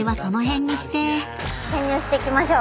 潜入していきましょう。